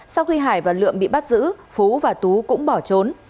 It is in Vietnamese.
sau khi hải và lượm bị bắt giữ phú và tú cũng bỏ trốn